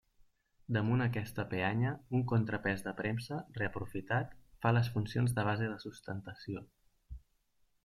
Damunt aquesta peanya, un contrapès de premsa, reaprofitat, fa les funcions de base de sustentació.